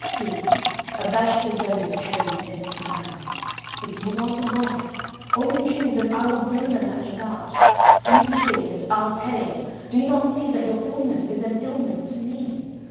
Speak; a bashful beggar carries an empty bag. If you want a wife, only choose, and I will bring the match about; do you take, and I'll pay. Do you not see that your illness is an illness to me?